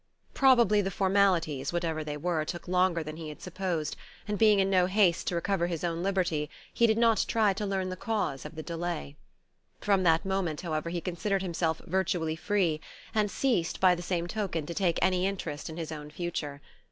Probably the "formalities," whatever they were, took longer than he had supposed; and being in no haste to recover his own liberty, he did not try to learn the cause of the delay. From that moment, however, he considered himself virtually free, and ceased, by the same token, to take any interest in his own future.